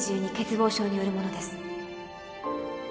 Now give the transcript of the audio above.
欠乏症によるものです。